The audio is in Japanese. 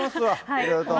いろいろと。